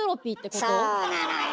そうなのよ。